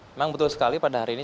memang betul sekali pada hari ini